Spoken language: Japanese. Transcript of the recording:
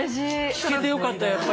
聞けてよかったやっぱり。